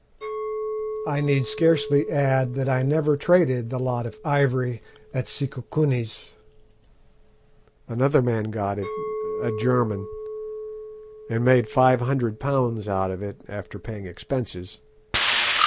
"I need scarcely add that I never traded the lot of ivory at Sikukuni's. Another man got it a German and made five hundred pounds out of it after paying expenses.